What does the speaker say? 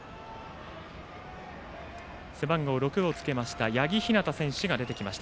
背番号６をつけました八木陽選手が出てきました。